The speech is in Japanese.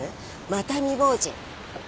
また未亡人。